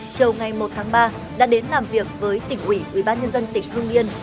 chiều ngày một tháng ba đã đến làm việc với tỉnh ủy ubnd tỉnh hương yên